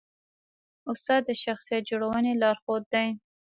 استاد د شخصیت جوړونې لارښود دی.